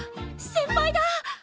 先輩だ！